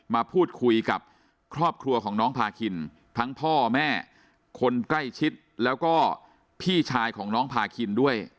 มาพูดคุยกับครอบครัวของน้องพาคินทั้งพ่อแม่คนใกล้ชิดแล้วก็พี่ชายของน้องพาคินด้วย